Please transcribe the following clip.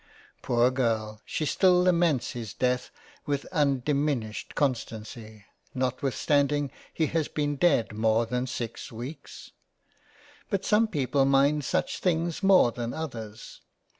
Poor girl ! she still laments his Death with undiminished constancy, notwithstanding he has been dead more than six weeks ; but some people mind such things more than others.